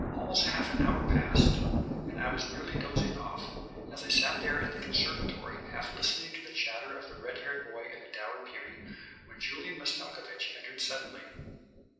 Almost half an hour passed, and I was nearly dozing off, as I sat there in the conservatory half listening to the chatter of the red haired boy and the dowered beauty, when Julian Mastakovich entered suddenly.